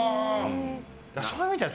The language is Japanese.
そういう意味では